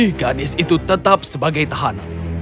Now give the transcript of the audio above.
dan gadis itu tetap sebagai tahanan